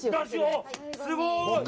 すごい！